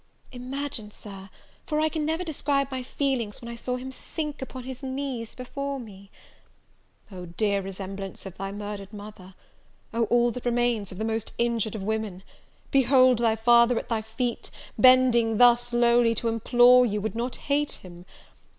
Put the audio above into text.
Imagine, Sir, for I can never describe my feelings, when I saw him sink upon his knees before me! "Oh, dear resemblance of thy murdered mother! Oh, all that remains of the most injured of women! behold thy father at thy feet! bending thus lowly to implore you would not hate him.